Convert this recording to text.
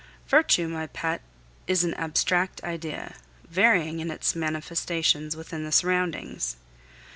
Virtue, my pet, is an abstract idea, varying in its manifestations with the surroundings.